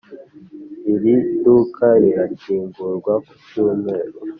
iri duka rirakingurwa ku cyumweru?